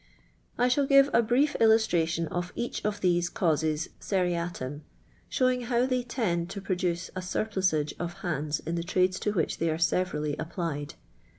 I shall give a brief illustration of each of these causes striatim, showing how they tend to produce a snrplusi^e of hands in the trades to which they are sevendly applied.